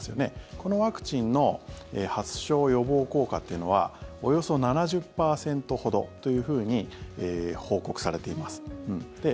このワクチンの発症予防効果というのはおよそ７０％ほどというふうに報告されています。